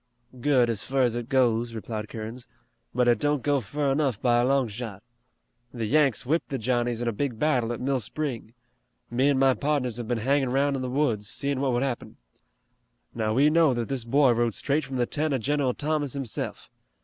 "Good as fur as it goes," replied Kerins, "but it don't go fur enough by a long shot. The Yanks whipped the Johnnies in a big battle at Mill Spring. Me an' my pardners have been hangin' 'roun' in the woods, seein' what would happen. Now, we know that this boy rode straight from the tent of General Thomas hisself.